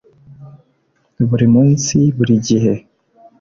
buri munsi buri gihe